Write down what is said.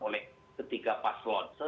oleh ketiga paslon